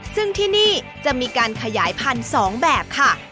ซึ่งที่นี่จะมีการขยายพันธุ์๒แบบค่ะ